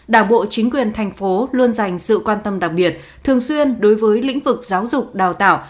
đảng bộ chính quyền thành phố luôn dành sự quan tâm đặc biệt thường xuyên đối với lĩnh vực giáo dục đào tạo